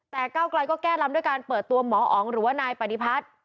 แต่ก้าวไกลก็แก้ลำด้วยการเปิดตัวหมออ๋องหรือว่านายปฏิพัฒน์